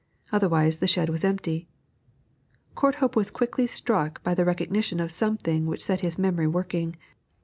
Otherwise the shed was empty. Courthope was quickly struck by the recognition of something which set his memory working.